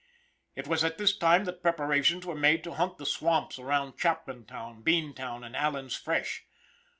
It was at this time that preparations were made to hunt the swamps around Chapmantown, Beantown, and Allen's Fresh.